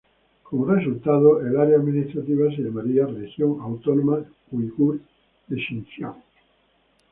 Como resultado, el área administrativa se llamaría "Región Autónoma Uigur de Xinjiang".